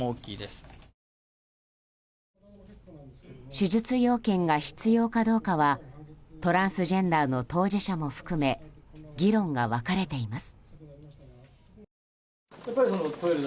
手術要件が必要かどうかはトランスジェンダーの当事者も含め議論が分かれています。